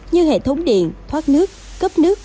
như hệ thống điện thoát nước cấp nước